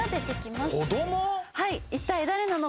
はい。